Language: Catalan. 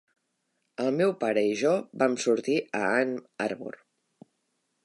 El meu pare i jo vam sortir a Ann Arbor.